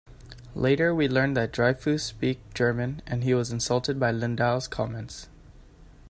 Later we learn that Dryfoos speaks German, and he was insulted by Lindau's comments.